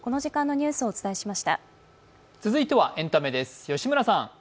続いてはエンタメです。